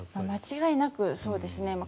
間違いなくそうですね。